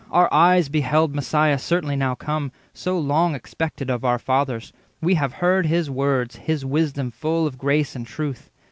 Our eyes beheld Messiah certainly now come, so long Expected of our fathers; we have heard His words, his wisdom full of grace and truth.